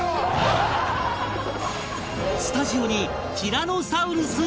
スタジオにティラノサウルス登場！